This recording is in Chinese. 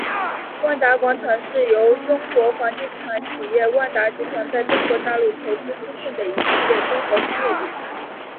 万达广场是由中国房地产企业万达集团在中国大陆投资兴建的一系列综合商业地产。